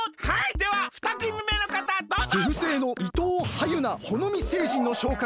では３くみめのかたどうぞ！